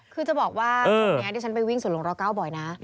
คือจะบอกว่าตอนนี้ดิฉันไปวิ่งส่วนลงรอเก้าบ่อยนะ